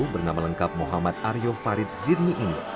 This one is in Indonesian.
bernama lengkap muhammad aryo farid zirni ini